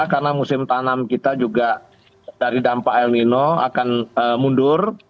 karena musim tanam kita juga dari dampak el nino akan mundur